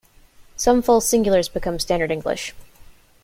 Some false singulars become standard English.